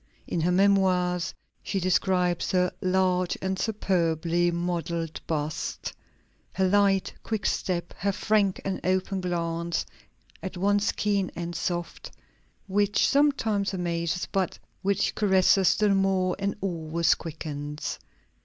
In her Memoirs she describes her "large and superbly modelled bust, her light, quick step, her frank and open glance, at once keen and soft, which sometimes amazes, but which caresses still more, and always quickens."